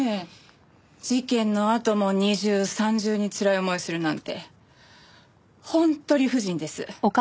事件のあとも二重三重につらい思いをするなんて本当理不尽です。